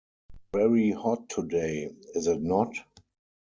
Very hot today, is it not?